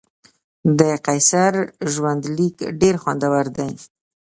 د قیصر ژوندلیک ډېر خوندور دی.